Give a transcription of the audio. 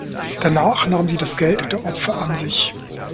Danach nahm sie das Geld der Opfer an sich.